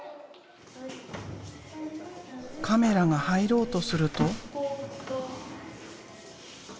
カメラが入ろうとすると。